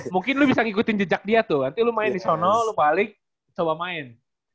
mungkin lu bisa ngikutin jejak dia tuh nanti lo main di sana lu balik coba main